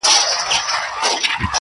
انسان وجدان سره مخ دی تل,